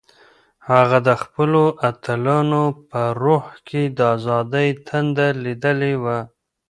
هغه د خپلو اتلانو په روح کې د ازادۍ تنده لیدلې وه.